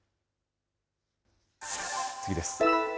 次です。